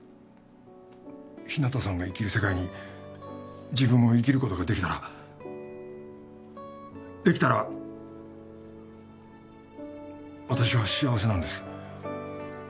日向さんが生きる世界に自分も生きることができたらできたら私は幸せなんです